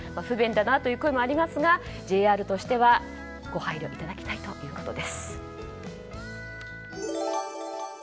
不便だなという声もありますがＪＲとしてはご配慮いただきたいということです。